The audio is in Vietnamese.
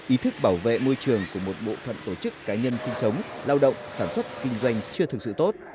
ý thức bảo vệ môi trường của một bộ phận tổ chức cá nhân sinh sống lao động sản xuất kinh doanh chưa thực sự tốt